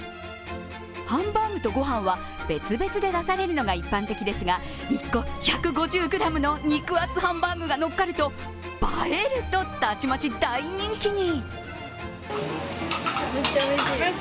ハンバーグとご飯は別々で出されるのが一般的ですが１個１５０ｇの肉厚ハンバーグが乗っかると映えると、たちまち大人気に。